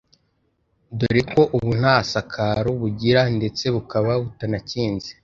dore ko ubu nta sakaro bugira ndetse bukaba butanakinze